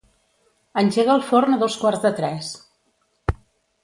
Engega el forn a dos quarts de tres.